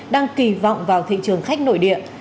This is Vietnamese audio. đang kỳ vọng vào thị trường khách nội địa